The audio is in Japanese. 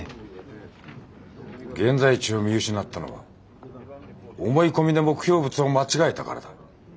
現在地を見失ったのは思い込みで目標物を間違えたからだ。